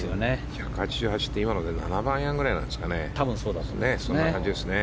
１８８って、今ので７番アイアンくらいなんだね。